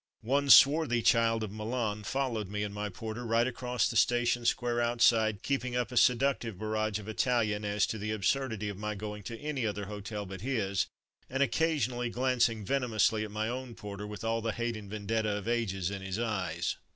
One swarthy child of Milan followed me and my porter, right across the station square outside, keeping up a seductive barrage of Italian as to the ab surdity of my going to any other hotel but his, and occasionally glancing venomously at my own porter with all the hate and vendetta of ages in his eyes.